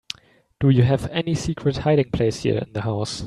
Do you have any secret hiding place here in the house?